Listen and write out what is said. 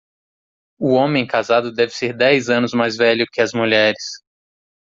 O homem casado deve ser dez anos mais velho que as mulheres.